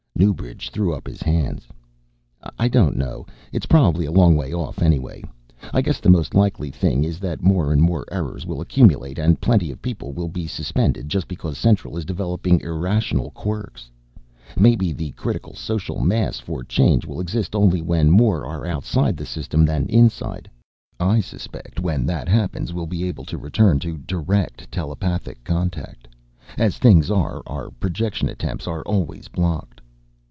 Newbridge threw up his hands. "I don't know it's probably a long way off anyway. I guess the most likely thing is that more and more errors will accumulate and plenty of people will be Suspended just because Central is developing irrational quirks. Maybe the critical social mass for change will exist only when more are outside the System than inside. I suspect when that happens we'll be able to return to direct telepathic contact. As things are, our projection attempts are always blocked."